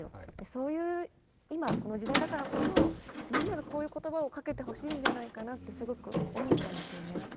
そういう今この時代だからこそみんながこういう言葉をかけてほしいんじゃないかなってすごく思ったんですよね。